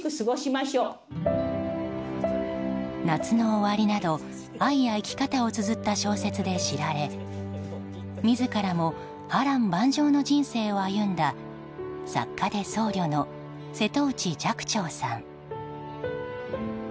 「夏の終り」など愛や生き方をつづった小説で知られ自らも波乱万丈の人生を送った作家で僧侶の瀬戸内寂聴さん。